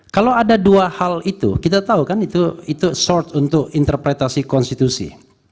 kalau ada dua hal itu kita tahu kan itu short untuk interpretasi konstitusi